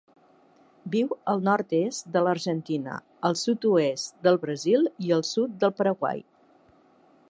Viu al nord-est de l'Argentina, el sud-oest del Brasil i el sud del Paraguai.